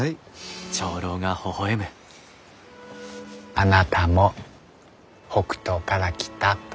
あなたも北東から来たと。